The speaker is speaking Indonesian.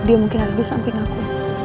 dia mungkin ada di samping aku